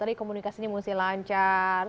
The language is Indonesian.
tadi komunikasinya mesti lancar